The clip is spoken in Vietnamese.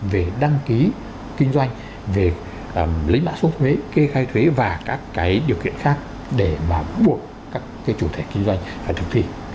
về đăng ký kinh doanh về lấy mã số thuế kê khai thuế và các cái điều kiện khác để mà buộc các chủ thể kinh doanh phải thực thi